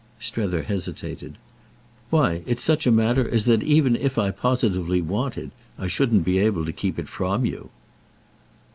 Strether hesitated. "Why it's such a matter as that even if I positively wanted I shouldn't be able to keep it from you."